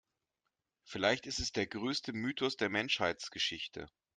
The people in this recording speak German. Vielleicht ist es der größte Mythos der Menschheitsgeschichte.